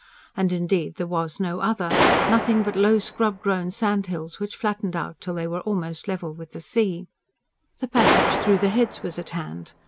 And indeed there was no other; nothing but low scrub grown sandhills which flattened out till they were almost level with the sea. The passage through the Heads was at hand.